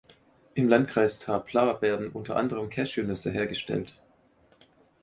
Im Landkreis Tha Pla werden unter anderem Cashew-Nüsse hergestellt.